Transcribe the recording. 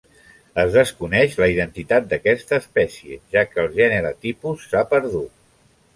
Es desconeix la identitat d'aquesta espècie, ja que el gènere tipus s'ha perdut.